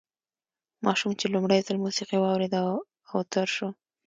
ماشوم چې لومړی ځل موسیقي واورېده اوتر شو